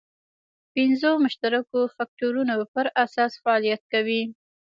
پنځو مشترکو فکټورونو پر اساس فعالیت کوي.